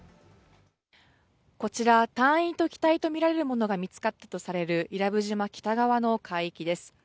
こちら、隊員と機体とみられるものが見つかったとされる伊良部島北側の海域です。